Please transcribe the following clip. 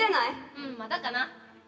うんまだかな。